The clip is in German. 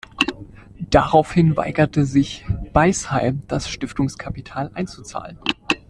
Daraufhin weigerte sich Beisheim, das Stiftungskapital einzuzahlen.